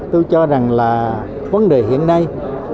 tôi cho rằng là vấn đề hiện nay